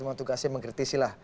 memang tugasnya mengkritisi lah